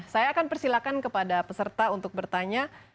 saya akan persilakan kepada peserta untuk bertanya